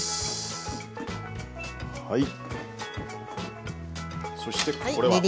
はい。